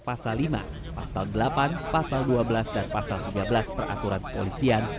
pasal lima pasal delapan pasal dua belas dan pasal tiga belas peraturan kepolisian